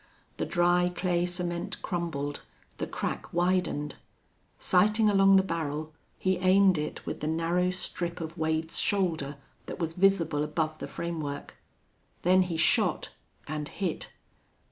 The dry clay cement crumbled, the crack widened. Sighting along the barrel he aimed it with the narrow strip of Wades shoulder that was visible above the framework. Then he shot and hit.